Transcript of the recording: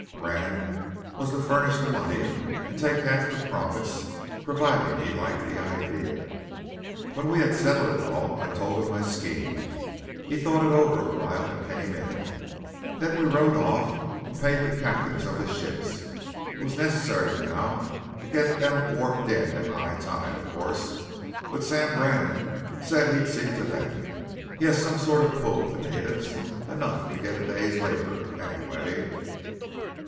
"Brannan was to furnish the money, and take half the profits, provided he liked the idea. When we had settled it all, I told him my scheme. He thought it over a while and came in. Then we rowed off and paid the captains of the ships. It was necessary now to get them warped in at high tide, of course, but Sam Brannan said he'd see to that he has some sort of a pull with the natives, enough to get a day's labour, anyway."